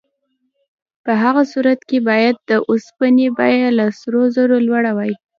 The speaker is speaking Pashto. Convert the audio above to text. په هغه صورت کې باید د اوسپنې بیه له سرو زرو لوړه وای.